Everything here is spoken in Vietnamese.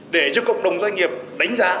để cho cộng đồng doanh nghiệp đánh giá